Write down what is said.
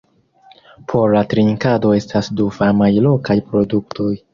Por la trinkado estas du famaj lokaj produktoj.